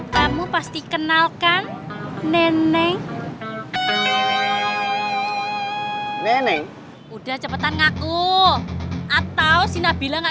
kamu pasti kenalkan neneng neneng udah cepetan ngaku atau sih nabila enggak